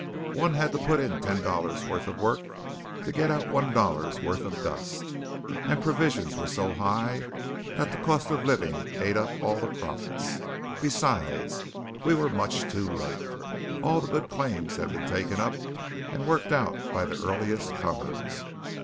One had to put in ten dollars' worth of work, to get out one dollars' worth of dust. And provisions were so high that the cost of living ate up all the profits. Besides, we were much too late. All the good claims had been taken up and worked out by the earliest comers.